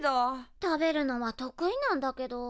食べるのは得意なんだけど。